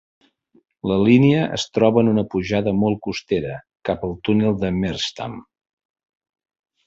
La línia es troba en una pujada molt costera cap al túnel de Merstham.